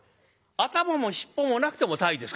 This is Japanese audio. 頭も尻尾もなくても鯛ですか？」。